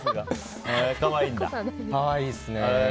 可愛いですね。